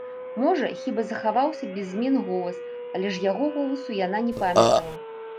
Можа, хіба захаваўся без змен голас, але ж яго голасу яна не памятала.